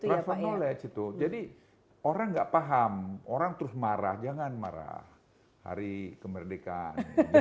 transfer knowledge itu jadi orang nggak paham orang terus marah jangan marah hari kemerdekaan